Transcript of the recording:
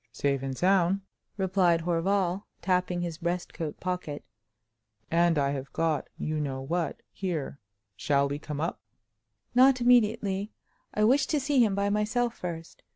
"Safe and sound!" replied Horval, tapping his breastcoat pocket—"and I have got you know what here. Shall we come up?" "Not immediately. I wish to see him by myself first.